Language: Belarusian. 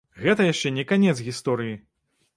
Гэта яшчэ не канец гісторыі!